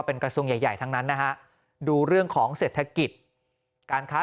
เป็นกระทรวงใหญ่ใหญ่ทั้งนั้นนะฮะดูเรื่องของเศรษฐกิจการค้า